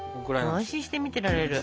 安心して見てられる。